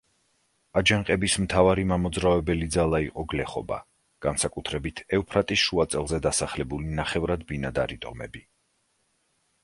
აჯანყების მთავარი მამოძრავებელი ძალა იყო გლეხობა, განსაკუთრებით ევფრატის შუა წელზე დასახლებული ნახევრად ბინადარი ტომები.